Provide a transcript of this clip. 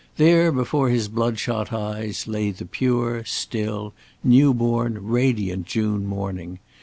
There before his blood shot eyes lay the pure, still, new born, radiant June morning.